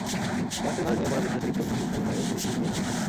বয়সের ভারে নুয়ে পড়া বৃদ্ধ শিক্ষক প্রতি সপ্তাহেই দু–তিন দিন আসতেন।